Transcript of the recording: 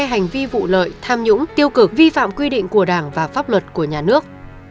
hành vi vụ lợi tham nhũng tiêu cực vi phạm quy định của đảng và pháp luật của nhà nước